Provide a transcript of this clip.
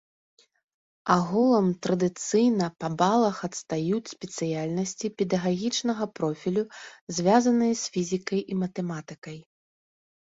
Агулам традыцыйна па балах адстаюць спецыяльнасці педагагічнага профілю, звязаныя з фізікай і матэматыкай.